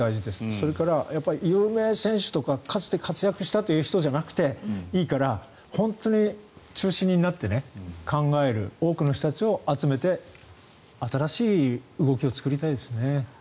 それから、有名選手とかかつて活躍したという人じゃなくていいから本当に中心になって考える多くの人たちを集めて新しい動きを作りたいですね。